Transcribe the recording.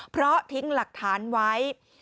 เพราะทิ้งหลักฐานไว้